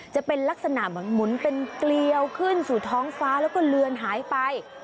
จะเป็นลักษณะเหมือนหมุนเป็นเกลียวขึ้นสู่ท้องฟ้าแล้วก็เลือนหายไป